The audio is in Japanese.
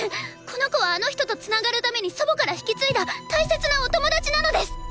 この子はあの人と繋がるために祖母から引き継いだ大切なお友達なのです！